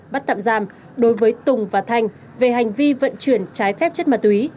bắt tạm giam đối với tùng và thanh về hành vi vận chuyển trái phép chất ma túy